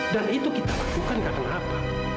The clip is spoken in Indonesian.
dan itu kita lakukan karena apa